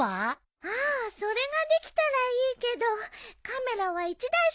ああそれができたらいいけどカメラは１台しかないからね。